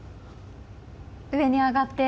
上に上がって。